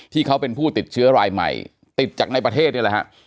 ที่เขาเป็นผู้ติดเชื้อรายใหม่ติดจากในประเทศนี่แหละฮะ